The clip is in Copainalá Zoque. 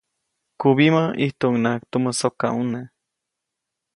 Kubimä, ʼijtuʼunŋaʼajk tumä sokaʼune.